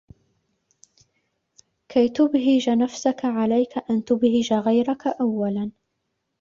كي تبهج نفسك عليك أن تبهج غيرك أولاًً.